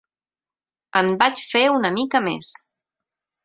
En vaig fer una mica més.